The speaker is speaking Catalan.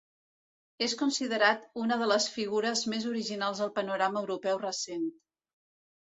És considerat una de les figures més originals del panorama europeu recent.